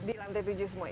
di lantai tujuh semua